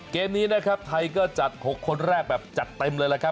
เกมนี้นะครับไทยก็จัด๖คนแรกแบบจัดเต็มเลยล่ะครับ